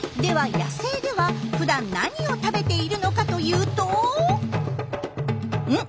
野生ではふだん何を食べているのかというとん！